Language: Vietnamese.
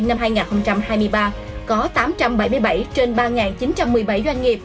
năm hai nghìn hai mươi ba có tám trăm bảy mươi bảy trên ba chín trăm một mươi bảy doanh nghiệp